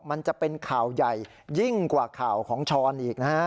มันจะเป็นข่าวใหญ่ยิ่งกว่าข่าวของช้อนอีกนะฮะ